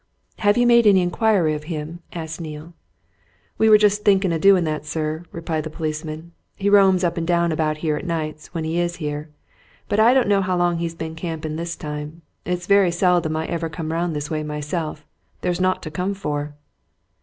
"Have you made any inquiry of him?" asked Neale. "We were just thinking of doing that, sir," replied the policeman. "He roams up and down about here at nights, when he is here. But I don't know how long he's been camping this time it's very seldom I ever come round this way myself there's naught to come for."